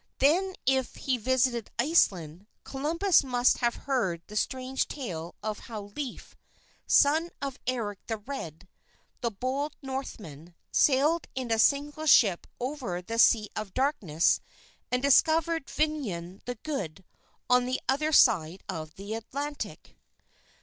Then if he visited Iceland, Columbus must have heard the strange tale of how Leif, son of Erik the Red, the bold Northman, sailed in a single ship over the Sea of Darkness, and discovered Vinland the Good on the other side of the Atlantic.